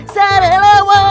tidak lelah kudu